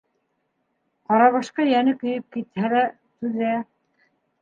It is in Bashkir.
Карабашҡа йәне көйөп китһә лә, түҙә.